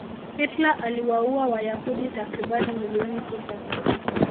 hitler aliwaua wayahudi takribani milioni sita